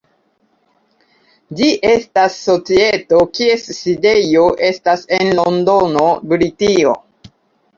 Ĝi estas societo kies sidejo estas en Londono, Britio.